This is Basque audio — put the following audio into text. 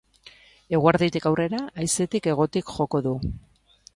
Eguerditik aurrera, haizetik hegotik joko du.